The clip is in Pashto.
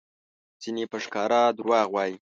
ځینې په ښکاره دروغ وایي؛